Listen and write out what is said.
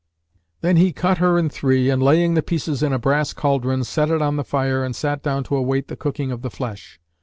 Then he cut her in three and, laying the pieces in a brass cauldron, set it on the fire and sat down to await the cooking of the flesh.